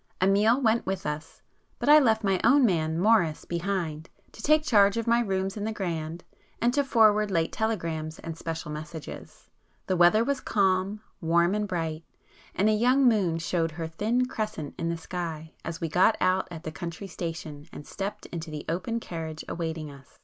Amiel went with us,—but I left my own man, Morris, behind, to take charge of my rooms in the Grand, and to forward late telegrams and special messages. The weather was calm, warm and bright,—and a young moon showed her thin crescent in the sky as we got out at the country station and stepped into the open carriage awaiting us.